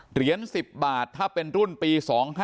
เหรียญ๑๐บาทถ้าเป็นรุ่นปี๒๕๖